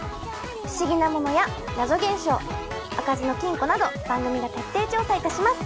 不思議なものや謎現象開かずの金庫など番組が徹底調査いたします。